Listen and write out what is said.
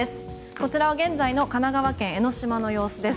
こちらは現在の神奈川県・江の島の様子です。